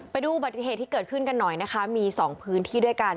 ไปดูอุบัติเหตุที่เกิดขึ้นกันหน่อยนะคะมี๒พื้นที่ด้วยกัน